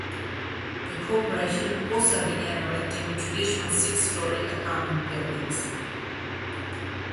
The corporation also began erecting traditional six-story apartment buildings.